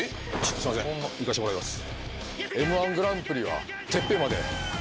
すいませんいかしてもらいます。